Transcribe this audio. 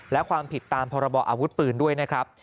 และความผิดตามพรบออาวุธปืนด้วยนะครับ